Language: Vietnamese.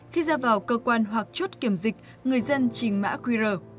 khi ra vào cơ quan hoặc chốt kiểm dịch người dân trình mã qr